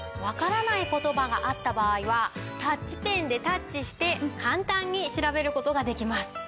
わからない言葉があった場合はタッチペンでタッチして簡単に調べる事ができます。